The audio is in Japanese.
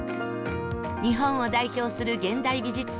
日本を代表する現代美術作家